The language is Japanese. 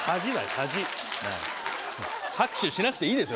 恥拍手しなくていいですよ